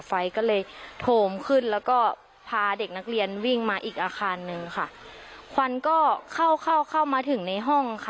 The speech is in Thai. ไฟก็เลยโถมขึ้นแล้วก็พาเด็กนักเรียนวิ่งมาอีกอาคารหนึ่งค่ะควันก็เข้าเข้าเข้ามาถึงในห้องค่ะ